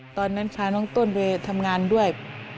ตอนนั้นพาน้องต้นไปทำงานด้วย